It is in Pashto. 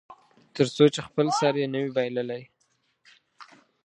تر څو چې خپل سر یې نه وي بایللی.